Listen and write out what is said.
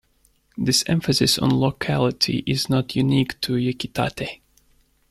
This emphasis on locality is not unique to Yakitate!!